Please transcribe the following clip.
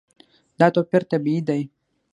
دا توپیر طبیعي دی.